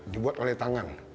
semuanya dibuat dari tangan